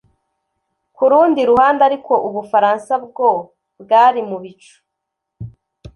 Ku rundi ruhande ariko u Bufaransa bwo bwari mu bicu